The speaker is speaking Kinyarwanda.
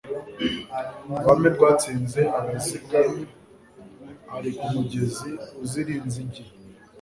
Ruhame rwatsinze Abaziga Ari ku mugezi uzira inzige